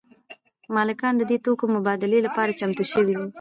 مالکان د دې توکو مبادلې لپاره چمتو شوي دي